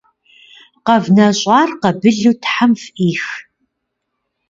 КъэвнэщӀар къабылу тхьэм фӀих.